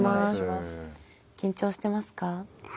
緊張してますか？